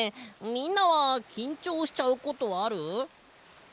みんなはきんちょうしちゃうことある？